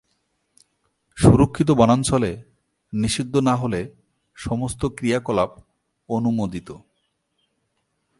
সুরক্ষিত বনাঞ্চলে, নিষিদ্ধ না হলে সমস্ত ক্রিয়াকলাপ অনুমোদিত।